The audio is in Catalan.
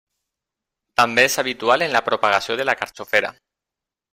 També és habitual en la propagació de la carxofera.